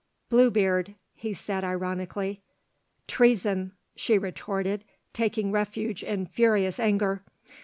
"Bluebeard," he said ironically. "Treason," she retorted taking refuge in furious anger.